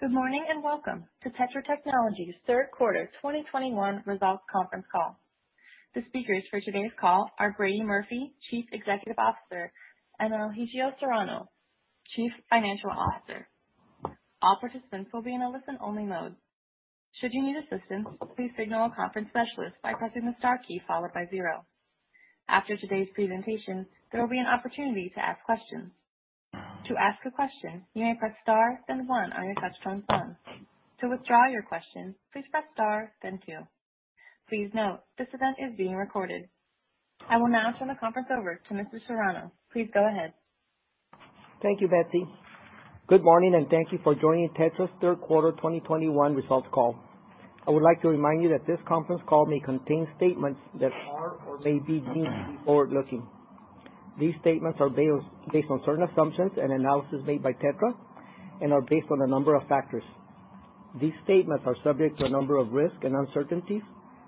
Good morning, and welcome to TETRA Technologies' third quarter 2021 results conference call. The speakers for today's call are Brady Murphy, Chief Executive Officer, and Elijio Serrano, Chief Financial Officer. All participants will be in a listen-only mode. Should you need assistance, please signal a conference specialist by pressing the star key followed by zero. After today's presentation, there will be an opportunity to ask questions. To ask a question, you may press star then one on your touch-tone phone. To withdraw your question, please press star then two. Please note, this event is being recorded. I will now turn the conference over to Mr. Serrano. Please go ahead. Thank you, Betsy. Good morning, and thank you for joining TETRA's third quarter 2021 results call. I would like to remind you that this conference call may contain statements that are or may be deemed forward-looking. These statements are based on certain assumptions and analysis made by TETRA and are based on a number of factors. These statements are subject to a number of risks and uncertainties,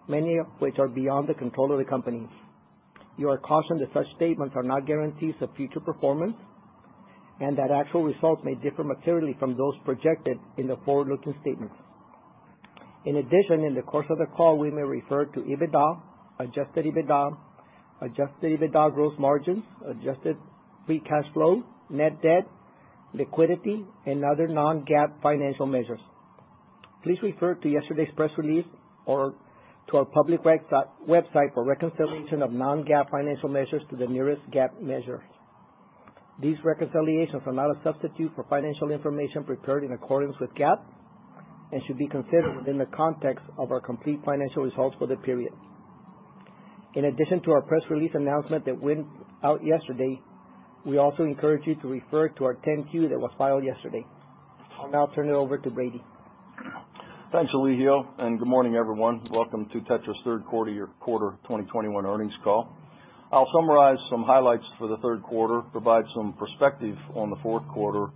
many of which are beyond the control of the company. You are cautioned that such statements are not guarantees of future performance and that actual results may differ materially from those projected in the forward-looking statements. In addition, in the course of the call, we may refer to EBITDA, adjusted EBITDA, adjusted EBITDA gross margins, adjusted free cash flow, net debt, liquidity and other non-GAAP financial measures. Please refer to yesterday's press release or to our public website for reconciliation of non-GAAP financial measures to the nearest GAAP measure. These reconciliations are not a substitute for financial information prepared in accordance with GAAP and should be considered within the context of our complete financial results for the period. In addition to our press release announcement that went out yesterday, we also encourage you to refer to our Form 10-Q that was filed yesterday. I'll now turn it over to Brady. Thanks, Elijio, and good morning, everyone. Welcome to TETRA's third quarter of 2021 earnings call. I'll summarize some highlights for the third quarter, provide some perspective on the fourth quarter,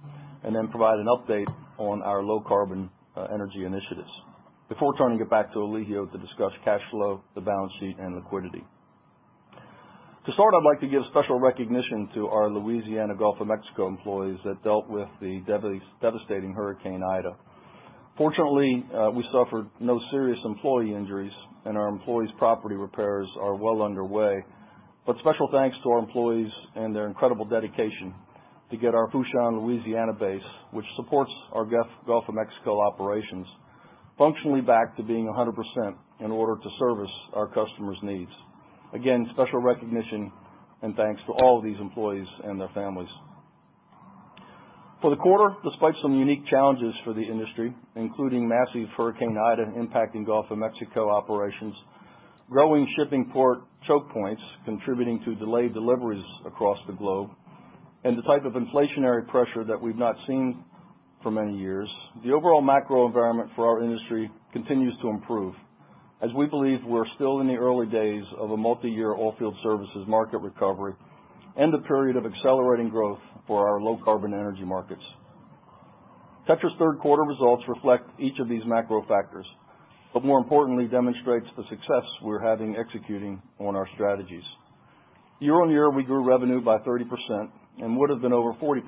and then provide an update on our low-carbon energy initiatives before turning it back to Elijio to discuss cash flow, the balance sheet and liquidity. To start, I'd like to give special recognition to our Louisiana Gulf of Mexico employees that dealt with the devastating Hurricane Ida. Fortunately, we suffered no serious employee injuries and our employees' property repairs are well underway. Special thanks to our employees and their incredible dedication to get our Fourchon, Louisiana base, which supports our Gulf of Mexico operations, functionally back to being 100% in order to service our customers' needs. Again, special recognition and thanks to all of these employees and their families. For the quarter, despite some unique challenges for the industry, including massive Hurricane Ida impacting Gulf of Mexico operations, growing shipping port chokepoints contributing to delayed deliveries across the globe, and the type of inflationary pressure that we've not seen for many years, the overall macro environment for our industry continues to improve as we believe we're still in the early days of a multi-year oilfield services market recovery and a period of accelerating growth for our low-carbon energy markets. TETRA's third quarter results reflect each of these macro factors, but more importantly, demonstrates the success we're having executing on our strategies. Year-on-year, we grew revenue by 30%, and would've been over 40%,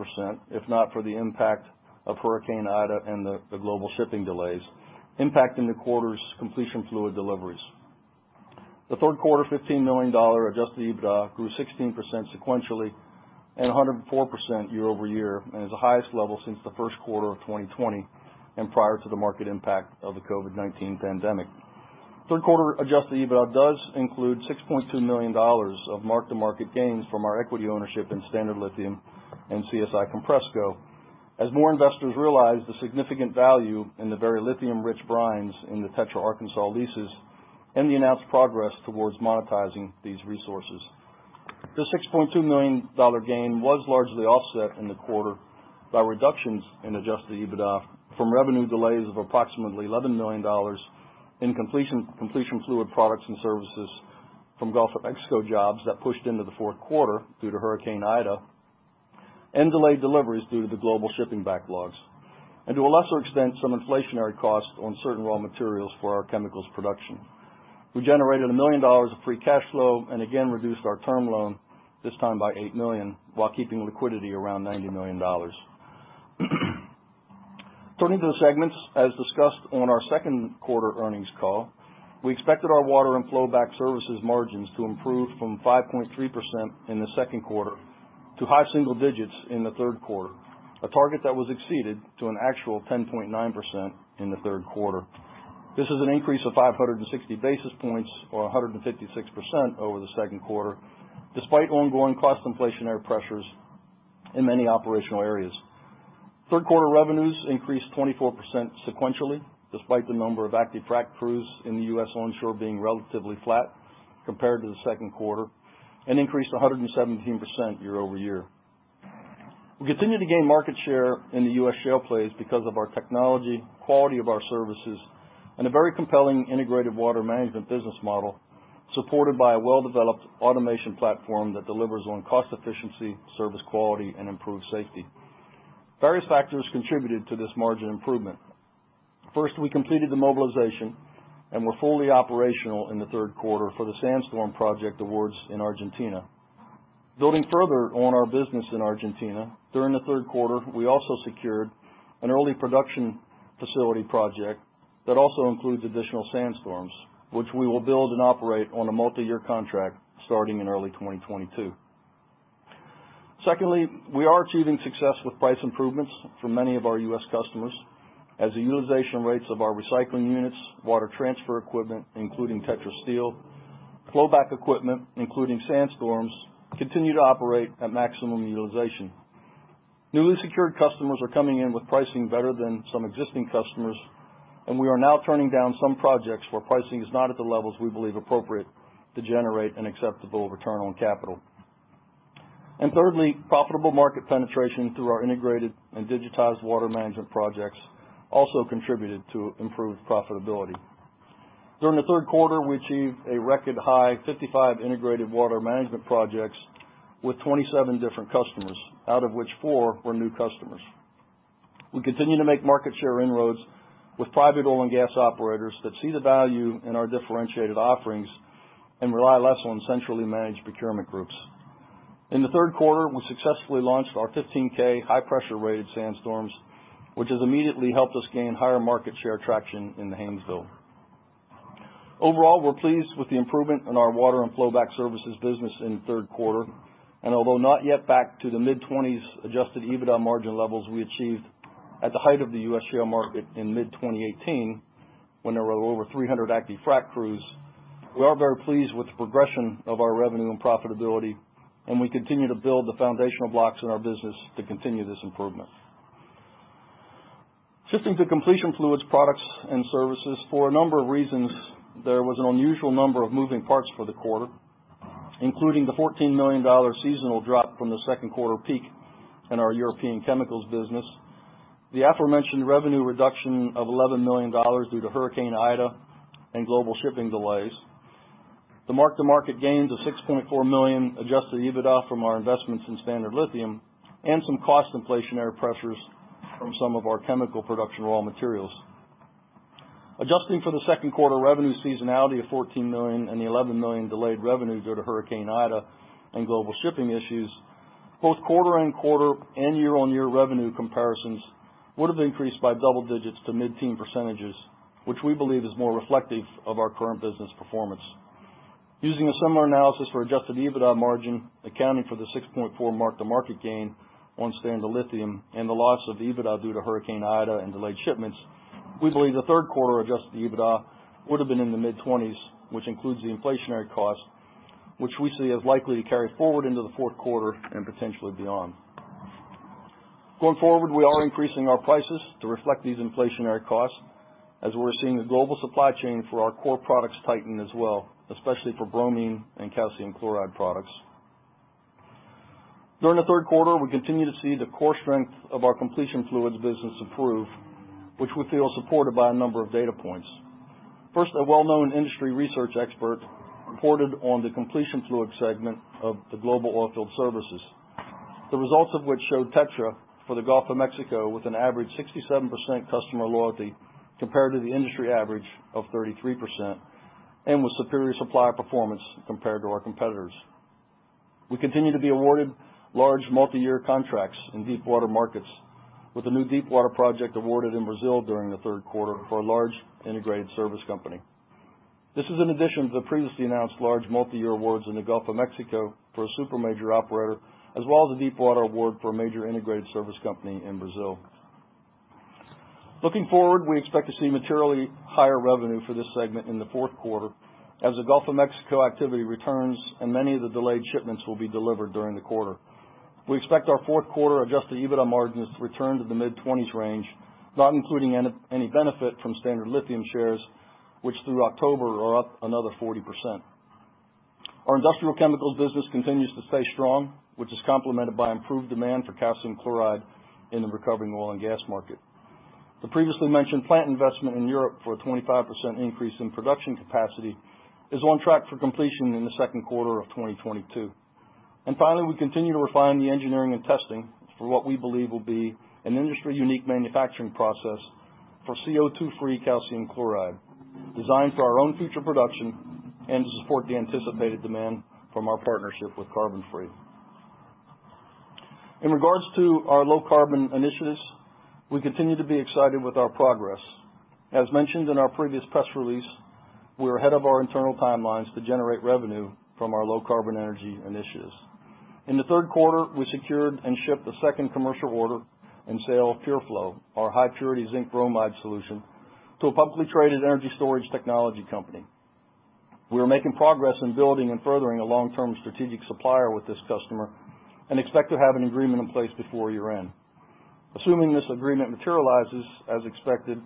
if not for the impact of Hurricane Ida and the global shipping delays, impacting the quarter's completion fluid deliveries. The third quarter $15 million adjusted EBITDA grew 16% sequentially and 104% year-over-year and is the highest level since the first quarter of 2020 and prior to the market impact of the COVID-19 pandemic. Third quarter adjusted EBITDA does include $6.2 million of mark-to-market gains from our equity ownership in Standard Lithium and CSI Compressco as more investors realize the significant value in the very lithium rich brines in the Tetra Arkansas leases and the announced progress towards monetizing these resources. The $6.2 million gain was largely offset in the quarter by reductions in adjusted EBITDA from revenue delays of approximately $11 million in completion fluid products and services from Gulf of Mexico jobs that pushed into the fourth quarter due to Hurricane Ida and delayed deliveries due to the global shipping backlogs. To a lesser extent, some inflationary costs on certain raw materials for our chemicals production. We generated $1 million of free cash flow and again reduced our term loan, this time by $8 million, while keeping liquidity around $90 million. Turning to the segments, as discussed on our second quarter earnings call, we expected our water and flowback services margins to improve from 5.3% in the second quarter to high single digits in the third quarter. A target that was exceeded to an actual 10.9% in the third quarter. This is an increase of 560 basis points or 156% over the second quarter, despite ongoing cost inflationary pressures in many operational areas. Third quarter revenues increased 24% sequentially, despite the number of active frac crews in the U.S. onshore being relatively flat compared to the second quarter and increased 117% year-over-year. We continue to gain market share in the U.S. shale plays because of our technology, quality of our services, and a very compelling integrated water management business model supported by a well-developed automation platform that delivers on cost efficiency, service quality, and improved safety. Various factors contributed to this margin improvement. First, we completed the mobilization and were fully operational in the third quarter for the SandStorm project awards in Argentina. Building further on our business in Argentina, during the third quarter, we also secured an early production facility project that also includes additional sandstorms, which we will build and operate on a multiyear contract starting in early 2022. Secondly, we are achieving success with price improvements for many of our U.S. customers as the utilization rates of our recycling units, water transfer equipment, including TETRA Steel, flowback equipment, including TETRA SandStorm, continue to operate at maximum utilization. Newly secured customers are coming in with pricing better than some existing customers, and we are now turning down some projects where pricing is not at the levels we believe appropriate to generate an acceptable return on capital. And thirdly, profitable market penetration through our integrated and digitized water management projects also contributed to improved profitability. During the third quarter, we achieved a record high 55 integrated water management projects with 27 different customers, out of which four were new customers. We continue to make market share inroads with private oil and gas operators that see the value in our differentiated offerings and rely less on centrally managed procurement groups. In the third quarter, we successfully launched our 15K high-pressure rated SandStorm, which has immediately helped us gain higher market share traction in the Haynesville. Overall, we're pleased with the improvement in our water and flowback services business in the third quarter. Although not yet back to the mid-20s adjusted EBITDA margin levels we achieved at the height of the U.S. shale market in mid-2018 when there were over 300 active frack crews, we are very pleased with the progression of our revenue and profitability, and we continue to build the foundational blocks in our business to continue this improvement. Shifting to completion fluids, products, and services. For a number of reasons, there was an unusual number of moving parts for the quarter, including the $14 million seasonal drop from the second quarter peak in our European chemicals business, the aforementioned revenue reduction of $11 million due to Hurricane Ida and global shipping delays, the mark-to-market gains of $6.4 million Adjusted EBITDA from our investments in Standard Lithium, and some cost inflationary pressures from some of our chemical production raw materials. Adjusting for the second quarter revenue seasonality of $14 million and the $11 million delayed revenue due to Hurricane Ida and global shipping issues, both quarter-on-quarter and year-on-year revenue comparisons would have increased by double digits to mid-teen percentages, which we believe is more reflective of our current business performance. Using a similar analysis for Adjusted EBITDA margin, accounting for the $6.4 mark-to-market gain on Standard Lithium and the loss of EBITDA due to Hurricane Ida and delayed shipments, we believe the third quarter Adjusted EBITDA would have been in the mid-20s, which includes the inflationary cost, which we see as likely to carry forward into the fourth quarter and potentially beyond. Going forward, we are increasing our prices to reflect these inflationary costs as we're seeing the global supply chain for our core products tighten as well, especially for bromine and calcium chloride products. During the third quarter, we continue to see the core strength of our completion fluids business improve, which we feel is supported by a number of data points. First, a well-known industry research expert reported on the completion fluid segment of the global oilfield services, the results of which showed TETRA for the Gulf of Mexico with an average 67% customer loyalty compared to the industry average of 33% and with superior supplier performance compared to our competitors. We continue to be awarded large multiyear contracts in deepwater markets with a new deepwater project awarded in Brazil during the third quarter for a large integrated service company. This is in addition to the previously announced large multiyear awards in the Gulf of Mexico for a super major operator, as well as a deepwater award for a major integrated service company in Brazil. Looking forward, we expect to see materially higher revenue for this segment in the fourth quarter as the Gulf of Mexico activity returns and many of the delayed shipments will be delivered during the quarter. We expect our fourth quarter Adjusted EBITDA margins to return to the mid-20s range, not including any benefit from Standard Lithium shares, which through October are up another 40%. Our industrial chemicals business continues to stay strong, which is complemented by improved demand for calcium chloride in the recovering oil and gas market. The previously mentioned plant investment in Europe for a 25% increase in production capacity is on track for completion in the second quarter of 2022. Finally, we continue to refine the engineering and testing for what we believe will be an industry-unique manufacturing process for CO2-free calcium chloride designed for our own future production and to support the anticipated demand from our partnership with CarbonFree. In regards to our low carbon initiatives, we continue to be excited with our progress. As mentioned in our previous press release, we're ahead of our internal timelines to generate revenue from our low carbon energy initiatives. In the third quarter, we secured and shipped the second commercial order and sale of PureFlow, our high purity zinc bromide solution, to a publicly traded energy storage technology company. We are making progress in building and furthering a long-term strategic supplier with this customer and expect to have an agreement in place before year-end. Assuming this agreement materializes as expected,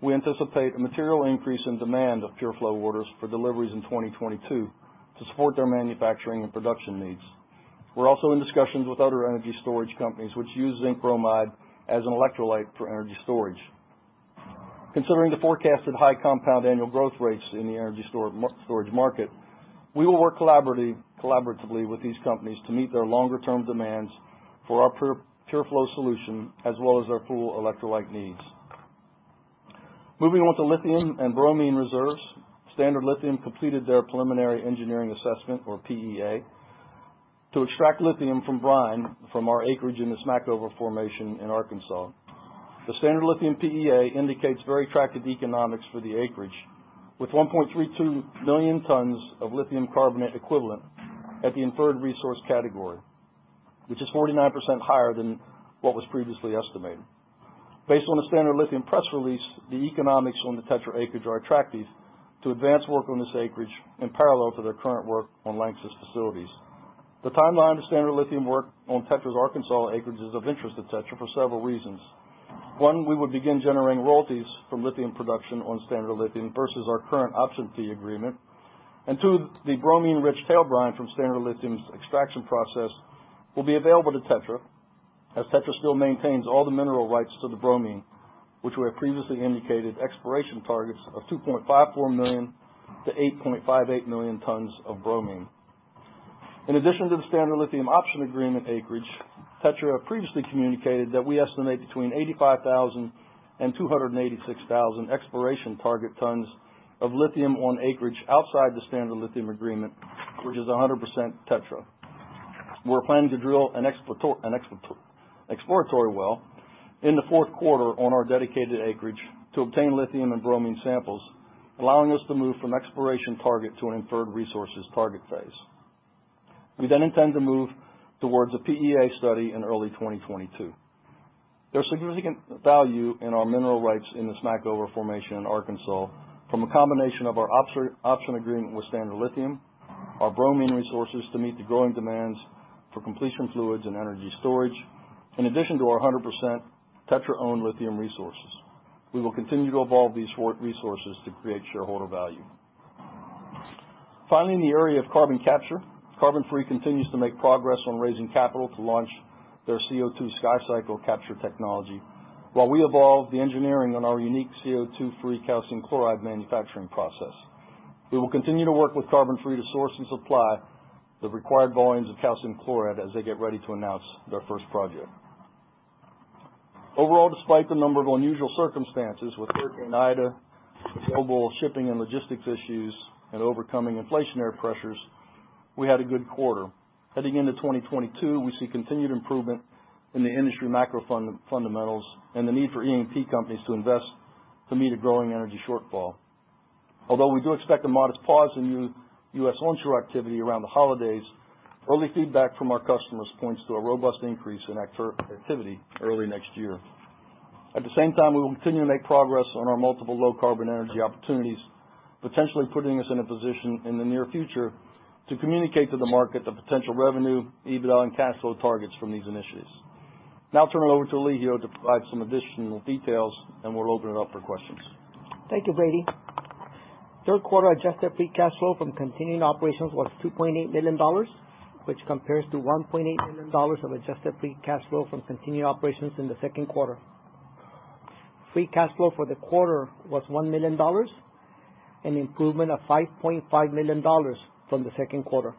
we anticipate a material increase in demand of PureFlow orders for deliveries in 2022 to support their manufacturing and production needs. We're also in discussions with other energy storage companies which use zinc bromide as an electrolyte for energy storage. Considering the forecasted high compound annual growth rates in the energy storage market. We will work collaboratively with these companies to meet their long-term demands for our PureFlow solution as well as our bulk electrolyte needs. Moving on to lithium and bromine reserves. Standard Lithium completed their preliminary engineering assessment, or PEA, to extract lithium from brine, from our acreage in the Smackover formation in Arkansas. The Standard Lithium PEA indicates very attractive economics for the acreage with 1.32 million tons of lithium carbonate equivalent at the inferred resource category, which is 49% higher than what was previously estimated. Based on the Standard Lithium press release, the economics on the TETRA acreage are attractive to advance work on this acreage in parallel to their current work on LANXESS facilities. The timeline of Standard Lithium work on TETRA's Arkansas acreage is of interest to TETRA for several reasons. One, we will begin generating royalties from lithium production on Standard Lithium versus our current option fee agreement. Two, the bromine rich tail brine from Standard Lithium's extraction process will be available to TETRA, as TETRA still maintains all the mineral rights to the bromine, which we have previously indicated exploration targets of 2.54 million-8.58 million tons of bromine. In addition to the Standard Lithium option agreement acreage, Tetra previously communicated that we estimate between 85,000 and 286,000 exploration target tons of lithium on acreage outside the Standard Lithium agreement, which is 100% TETRA. We're planning to drill an exploratory well in the fourth quarter on our dedicated acreage to obtain lithium and bromine samples, allowing us to move from exploration target to an inferred resources target phase. We then intend to move towards a PEA study in early 2022. There's significant value in our mineral rights in the Smackover formation in Arkansas from a combination of our option agreement with Standard Lithium, our bromine resources to meet the growing demands for completion fluids and energy storage, in addition to our 100% TETRA-owned lithium resources. We will continue to evolve these resources to create shareholder value. Finally, in the area of carbon capture, CarbonFree continues to make progress on raising capital to launch their CO2 SkyCycle capture technology while we evolve the engineering on our unique CO2-free calcium chloride manufacturing process. We will continue to work with CarbonFree to source and supply the required volumes of calcium chloride as they get ready to announce their first project. Overall, despite the number of unusual circumstances with Hurricane Ida, global shipping and logistics issues, and overcoming inflationary pressures, we had a good quarter. Heading into 2022, we see continued improvement in the industry macro fundamentals and the need for E&P companies to invest to meet a growing energy shortfall. Although we do expect a modest pause in U.S. onshore activity around the holidays, early feedback from our customers points to a robust increase in activity early next year. At the same time, we will continue to make progress on our multiple low carbon energy opportunities, potentially putting us in a position in the near future to communicate to the market the potential revenue, EBITDA, and cash flow targets from these initiatives. Now I'll turn it over to Elijio to provide some additional details, and we'll open it up for questions. Thank you, Brady. Third quarter Adjusted Free Cash Flow from continuing operations was $2.8 million which compares to $1.8 million of Adjusted Free Cash Flow from continuing operations in the second quarter. Free Cash Flow for the quarter was $1 million, an improvement of $5.5 million from the second quarter.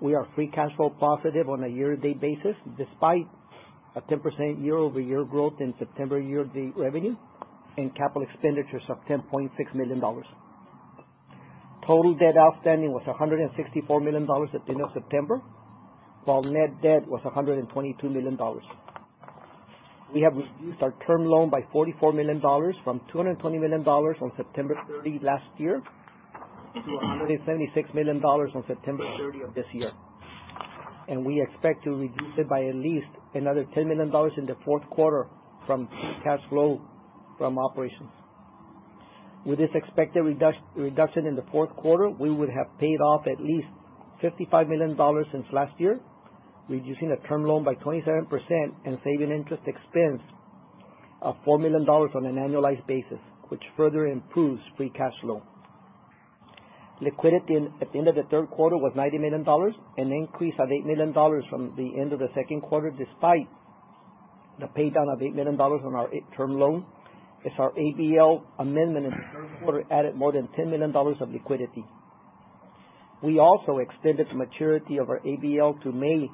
We are Free Cash Flow positive on a year-to-date basis, despite a 10% year-over-year growth in September year-to-date revenue and capital expenditures of $10.6 million. Total debt outstanding was $164 million at the end of September, while net debt was $122 million. We have reduced our term loan by $44 million from $220 million on September 30 last year to $176 million on September 30 of this year. We expect to reduce it by at least another $10 million in the fourth quarter from cash flow from operations. With this expected reduction in the fourth quarter, we would have paid off at least $55 million since last year, reducing the term loan by 27% and saving interest expense of $4 million on an annualized basis, which further improves free cash flow. Liquidity at the end of the third quarter was $90 million, an increase of $8 million from the end of the second quarter, despite the pay down of $8 million on our term loan as our ABL amendment in the third quarter added more than $10 million of liquidity. We also extended the maturity of our ABL to May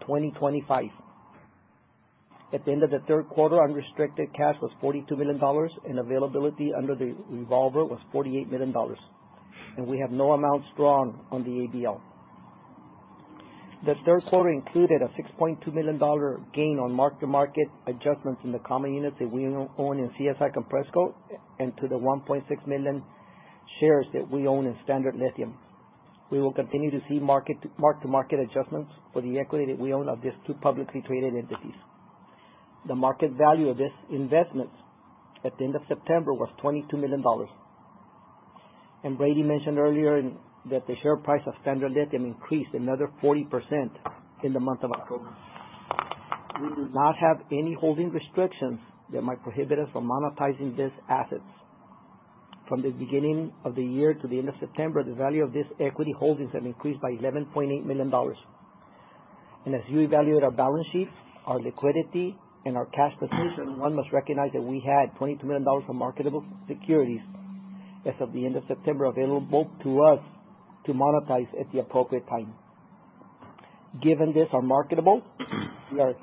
2025. At the end of the third quarter, unrestricted cash was $42 million, and availability under the revolver was $48 million. We have no amounts drawn on the ABL. The third quarter included a $6.2 million gain on mark-to-market adjustments in the common units that we own in CSI Compressco and on the 1.6 million shares that we own in Standard Lithium. We will continue to see mark-to-market adjustments for the equity that we own in these two publicly traded entities. The market value of these investments at the end of September was $22 million. Brady mentioned earlier that the share price of Standard Lithium increased another 40% in the month of October. We do not have any holding restrictions that might prohibit us from monetizing these assets. From the beginning of the year to the end of September, the value of these equity holdings have increased by $11.8 million. As you evaluate our balance sheet, our liquidity, and our cash position, one must recognize that we had $22 million of marketable securities as of the end of September available to us to monetize at the appropriate time. Given this are marketable, we are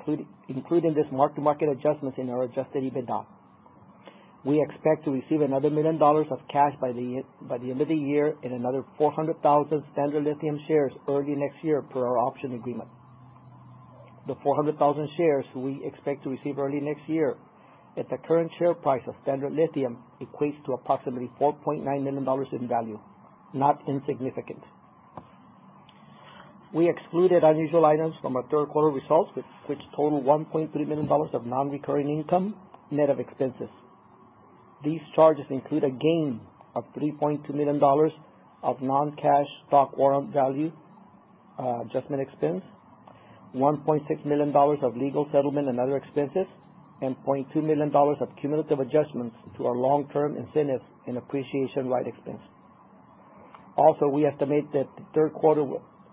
including this mark-to-market adjustments in our Adjusted EBITDA. We expect to receive another $1 million of cash by the by the end of the year and another 400,000 Standard Lithium shares early next year per our option agreement. The 400,000 shares we expect to receive early next year at the current share price of Standard Lithium equates to approximately $4.9 million in value, not insignificant. We excluded unusual items from our third quarter results, which totaled $1.3 million of non-recurring income net of expenses. These charges include a gain of $3.2 million of non-cash stock warrant value adjustment expense, $1.6 million of legal settlement and other expenses, and $0.2 million of cumulative adjustments to our long-term incentive and appreciation right expense. Also, we estimate that the third quarter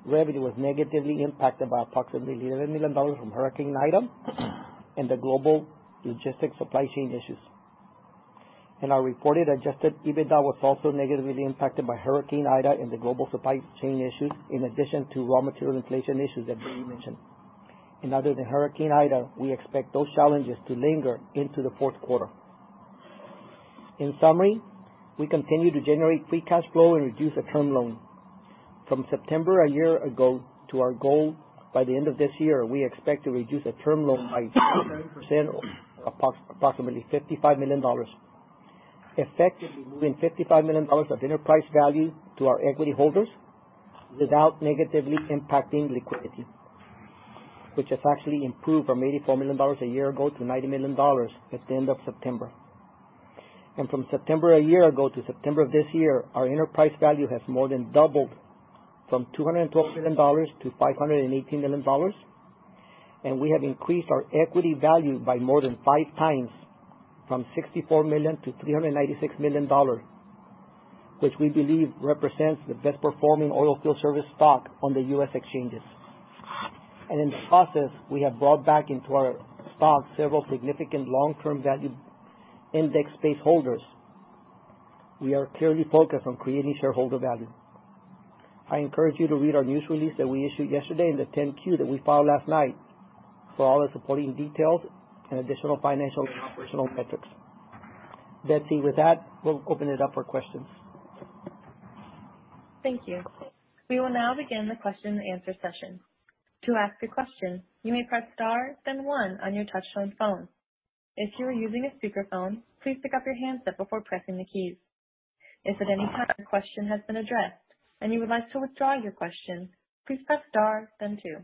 revenue was negatively impacted by approximately $11 million from Hurricane Ida and the global logistics supply chain issues. Our reported Adjusted EBITDA was also negatively impacted by Hurricane Ida and the global supply chain issues, in addition to raw material inflation issues that Brady mentioned. Other than Hurricane Ida, we expect those challenges to linger into the fourth quarter. In summary, we continue to generate free cash flow and reduce the term loan. From September a year ago to our goal by the end of this year, we expect to reduce the term loan by approximately $55 million, effectively moving $55 million of enterprise value to our equity holders without negatively impacting liquidity, which has actually improved from $84 million a year ago to $90 million at the end of September. From September a year ago to September of this year, our enterprise value has more than doubled from $212 million to $518 million. We have increased our equity value by more than five times from $64 million to $396 million, which we believe represents the best performing oil field service stock on the U.S. exchanges. In the process, we have brought back into our stock several significant long-term value index space holders. We are clearly focused on creating shareholder value. I encourage you to read our news release that we issued yesterday and the 10-Q, that we filed last night for all the supporting details and additional financial and operational metrics. That's it. With that, we'll open it up for questions. Thank you. We will now begin the question and answer session. To ask a question, you may press star then one on your touchtone phone. If you are using a speakerphone, please pick up your handset before pressing the keys. If at any time your question has been addressed and you would like to withdraw your question, please press star then two.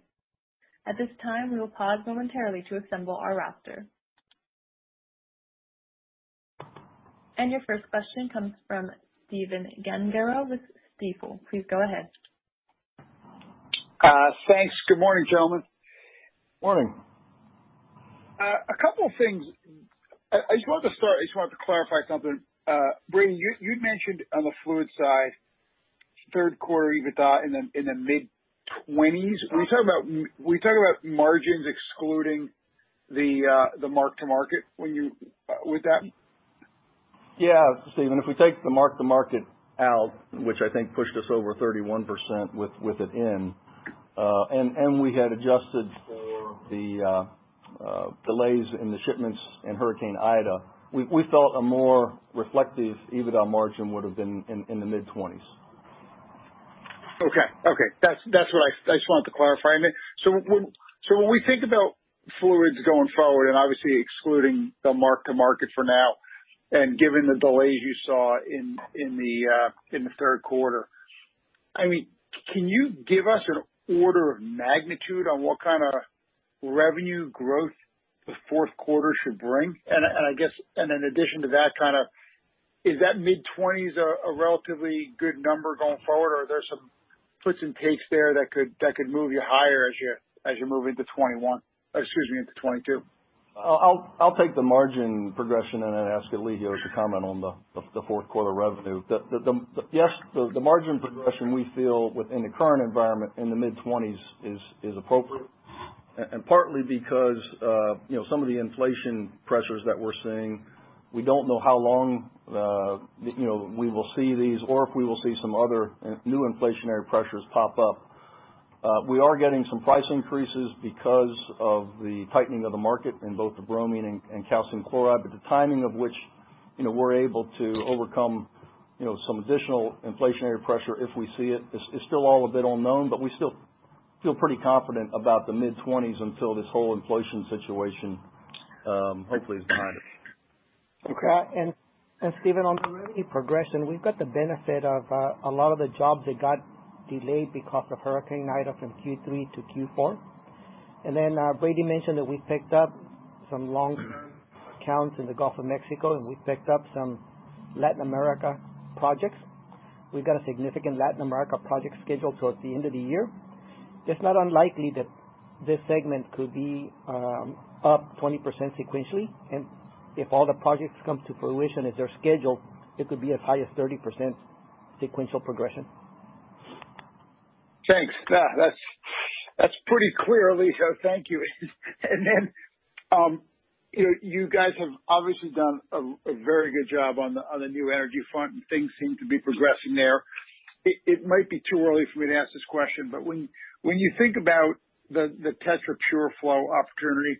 At this time, we will pause momentarily to assemble our roster. Your first question comes from Stephen Gengaro with Stifel. Please go ahead. Thanks. Good morning, gentlemen. Morning. A couple of things. I just wanted to start. I just wanted to clarify something. Brady, you'd mentioned on the fluid side third quarter EBITDA in the mid-20s. Are we talking about margins excluding the mark to market when you with that? Yeah. Stephen, if we take the mark to market out, which I think pushed us over 31% with it in, and we had adjusted for the delays in the shipments in Hurricane Ida, we felt a more reflective EBITDA margin would've been in the mid-20s. Okay. That's what I just wanted to clarify. I mean, so when we think about fluids going forward and obviously excluding the mark to market for now and given the delays you saw in the third quarter, I mean, can you give us an order of magnitude on what kinda revenue growth the fourth quarter should bring? And I guess, in addition to that, kind of, is that mid-20s% a relatively good number going forward, or are there some puts and takes there that could move you higher as you're moving into 2021 -- excuse me 2022? I'll take the margin progression and then ask Eli to comment on the. Yes, the margin progression we feel within the current environment in the mid-20s is appropriate. And partly because, you know, some of the inflation pressures that we're seeing, we don't know how long, you know, we will see these or if we will see some other new inflationary pressures pop up. We are getting some price increases because of the tightening of the market in both bromine and calcium chloride, but the timing of which, you know, we're able to overcome, you know, some additional inflationary pressure if we see it. It's still all a bit unknown, but we still feel pretty confident about the mid-20s until this whole inflation situation hopefully is behind us. Okay. Stephen, on the revenue progression, we've got the benefit of a lot of the jobs that got delayed because of Hurricane Ida from Q3 to Q4. Brady mentioned that we picked up some long-term contracts in the Gulf of Mexico, and we picked up some Latin America projects. We've got a significant Latin America project scheduled towards the end of the year. It's not unlikely that this segment could be up 20% sequentially. If all the projects come to fruition as they're scheduled, it could be as high as 30% sequential progression. Thanks. That's pretty clear, Elijio. Thank you. You guys have obviously done a very good job on the new energy front, and things seem to be progressing there. It might be too early for me to ask this question, but when you think about the TETRA PureFlow opportunity,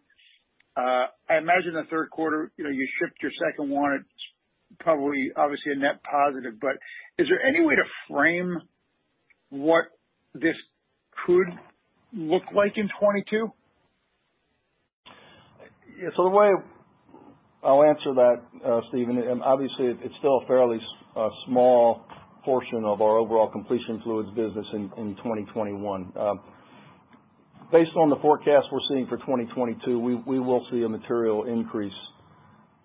I imagine the third quarter, you know, you shipped your second one. It's probably obviously a net positive, but is there any way to frame what this could look like in 2022? So the way I'll answer that, Stephen, obviously it's still a fairly small portion of our overall completion fluids business in 2021. Based on the forecast we're seeing for 2022, we will see a material increase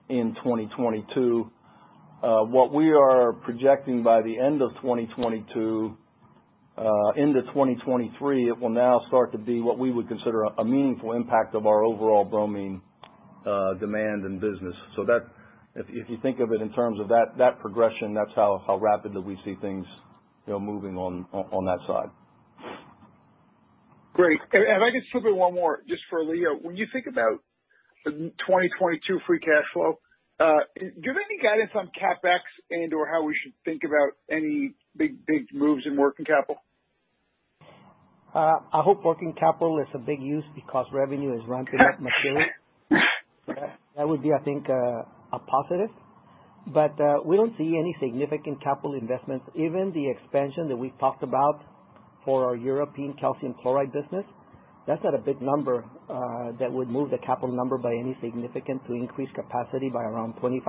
in 2022. What we are projecting by the end of 2022 into 2023, it will now start to be what we would consider a meaningful impact of our overall bromine demand and business. That if you think of it in terms of that progression, that's how rapidly we see things, you know, moving on that side. Great. If I could slip in one more just for Elijio. When you think about the 2022 free cash flow, do you have any guidance on CapEx and/or how we should think about any big moves in working capital? I hope working capital is a big use because revenue is ramping up materially. That would be, I think, a positive. We don't see any significant capital investments. Even the expansion that we've talked about for our European calcium chloride business, that's not a big number, that would move the capital number by any significant to increase capacity by around 25%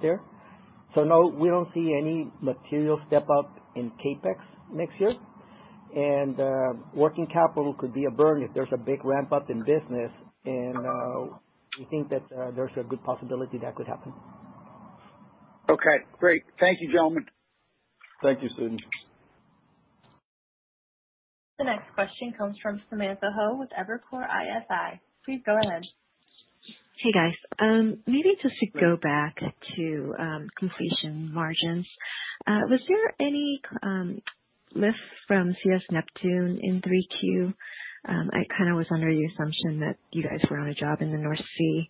there. No, we don't see any material step up in CapEx next year. Working capital could be a burden if there's a big ramp up in business. We think that, there's a good possibility that could happen. Okay, great. Thank you, gentlemen. Thank you, Stephen. The next question comes from Samantha Hoh with Evercore ISI. Please go ahead. Hey, guys. Maybe just to go back to completion margins. Was there any lift from CS Neptune in 3Q, too? I kind of was under the assumption that you guys were on a job in the North Sea.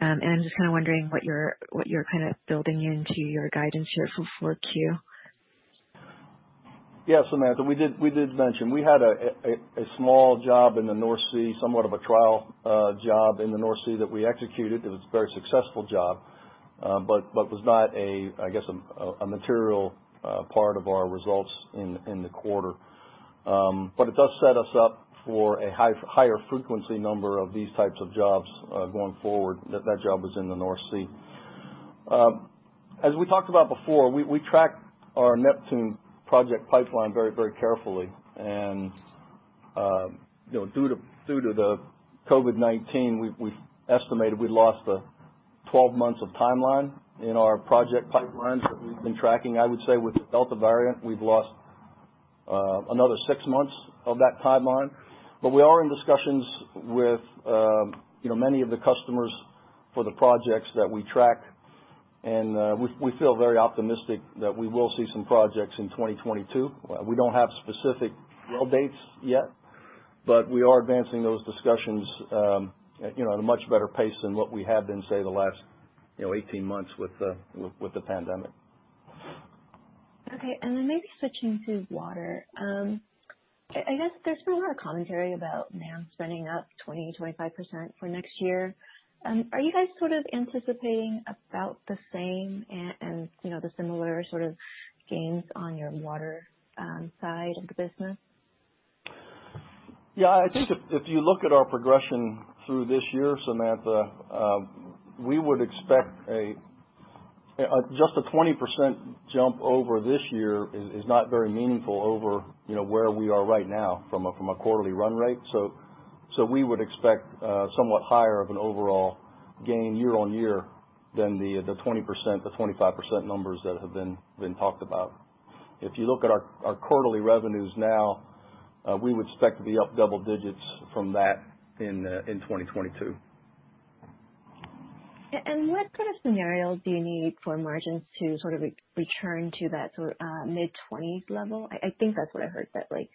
I'm just kind of wondering what you're kind of building into your guidance here for 4Q. Yeah. Samantha, we did mention. We had a small job in the North Sea, somewhat of a trial job in the North Sea that we executed. It was a very successful job, but was not a material part of our results in the quarter. It does set us up for a higher frequency number of these types of jobs going forward. That job was in the North Sea. As we talked about before, we track our Neptune project pipeline very carefully. You know, due to the COVID-19, we've estimated we lost 12 months of timeline in our project pipelines that we've been tracking. I would say with the Delta variant, we've lost another six months of that timeline. We are in discussions with, you know, many of the customers for the projects that we track. We feel very optimistic that we will see some projects in 2022. We don't have specific well dates yet, but we are advancing those discussions, you know, at a much better pace than what we have been, say, the last, you know, 18 months with the pandemic. Okay. Maybe switching to water. I guess there's been a lot of commentary about MAN spending up 20%-25% for next year. Are you guys sort of anticipating about the same and, you know, the similar sort of gains on your water side of the business? Yeah. I think if you look at our progression through this year, Samantha, we would expect just a 20% jump over this year is not very meaningful over, you know, where we are right now from a quarterly run rate. We would expect somewhat higher of an overall gain year-over-year than the 20%-25% numbers that have been talked about. If you look at our quarterly revenues now, we would expect to be up double digits from that in 2022. What kind of scenarios do you need for margins to sort of return to that sort, mid-20s level? I think that's what I heard, that like,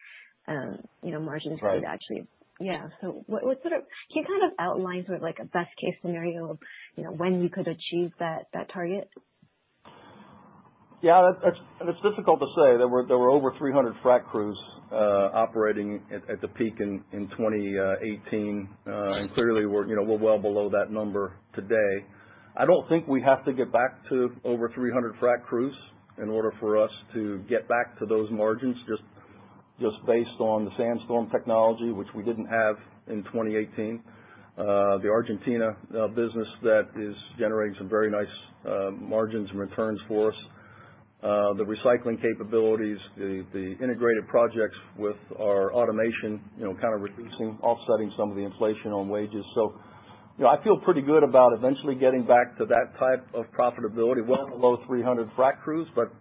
you know, margins- Right. Yeah. What sort of can you kind of outline, sort of like a best case scenario of, you know, when you could achieve that target? Yeah, it's difficult to say. There were over 300 frac crews operating at the peak in 2018. Clearly we're you know well below that number today. I don't think we have to get back to over 300 frac crews in order for us to get back to those margins, just based on the SandStorm technology, which we didn't have in 2018, the Argentina business that is generating some very nice margins and returns for us, the recycling capabilities, the integrated projects with our automation you know kind of reducing offsetting some of the inflation on wages. You know, I feel pretty good about eventually getting back to that type of profitability well below 300 frac crews, but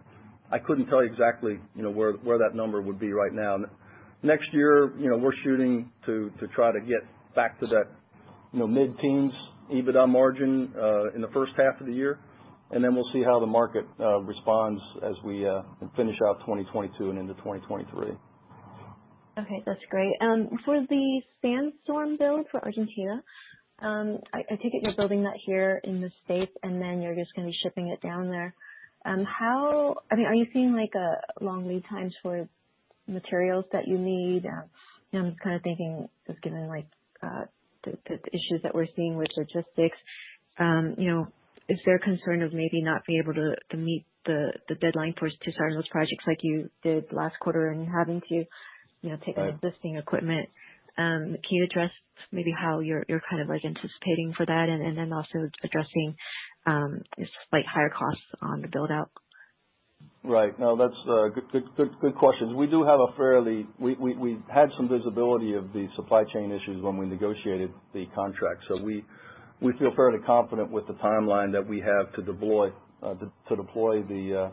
I couldn't tell you exactly, you know, where that number would be right now. Next year, you know, we're shooting to try to get back to that. You know, mid-teens% EBITDA margin in the first half of the year, and then we'll see how the market responds as we finish out 2022 and into 2023. Okay, that's great. For the Sandstorm build for Argentina, I take it you're building that here in the States, and then you're just gonna be shipping it down there. I mean, are you seeing like long lead times for materials that you need? I'm just kind of thinking just given like the issues that we're seeing with logistics, you know, is there a concern of maybe not being able to meet the deadline for us to start those projects like you did last quarter and having to, you know, take- Right. On existing equipment? Can you address maybe how you're kind of like anticipating for that and then also addressing just slight higher costs on the build-out? Right. No, that's a good question. We had some visibility of the supply chain issues when we negotiated the contract. We feel fairly confident with the timeline that we have to deploy the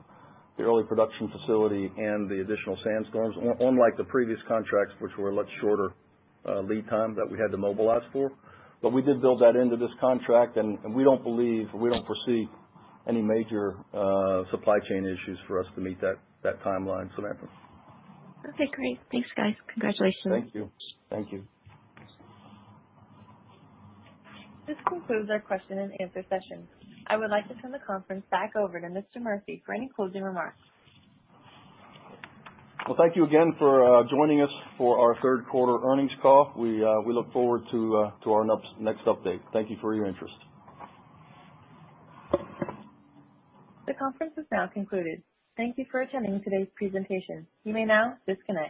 early production facility and the additional SandStorms. Unlike the previous contracts, which were a much shorter lead time that we had to mobilize for. We did build that into this contract, and we don't believe, we don't foresee any major supply chain issues for us to meet that timeline. Thank you. Okay, great. Thanks, guys. Congratulations. Thank you. Thank you. This concludes our question and answer session. I would like to turn the conference back over to Mr. Murphy for any closing remarks. Well, thank you again for joining us for our third quarter earnings call. We look forward to our next update. Thank you for your interest. The conference is now concluded. Thank you for attending today's presentation. You may now disconnect.